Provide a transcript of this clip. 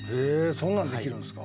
そんなんできるんですか？